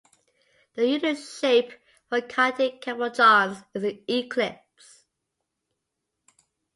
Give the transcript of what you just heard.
The usual shape for cutting cabochons is an ellipse.